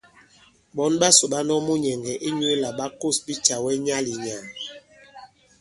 Ɓɔ̌n ɓasò ɓa nɔ̄k munyɛ̀ŋgɛ̀ inyū lā ɓa kǒs bicàwɛ nyàà-lì- nyàà.